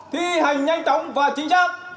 thì hành nhanh chóng và chính xác